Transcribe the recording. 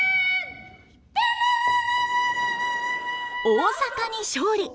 大阪に勝利！